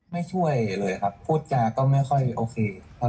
ไม่ช่วยเลยครับพูดจาก็ไม่ค่อยโอเค